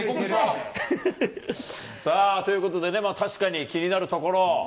さあ、ということでね、確かに気になるところ。